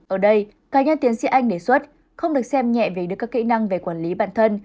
ở đây cá nhân tiến sĩ anh đề xuất không được xem nhẹ vì được các kỹ năng về quản lý bản thân